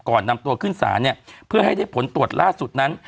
ก่อนนำตัวขึ้นศาลเนี่ยเพื่อให้ได้ผลตรวจล่าสุดนั้น